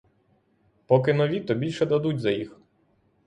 Поки нові — то більше дадуть за їх.